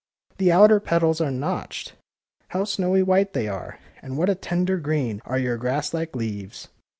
The outer petals are notched. How snowy white they are, and what a tender green are your grasslike leaves."